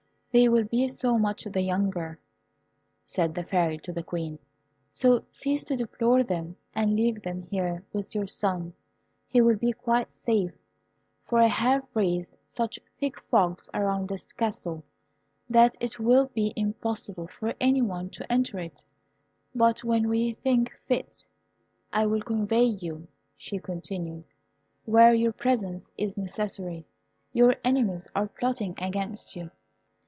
"They will be so much the younger," said the Fairy to the Queen; "so cease to deplore them, and leave them here with your son. He will be quite safe, for I have raised such thick fogs around this Castle, that it will be impossible for any one to enter it but when we think fit. I will convey you," she continued, "where your presence is necessary. Your enemies are plotting against you.